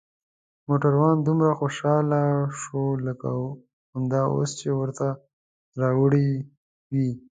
موټروان دومره خوشحاله شو لکه همدا اوس چې ورته راوړي وي.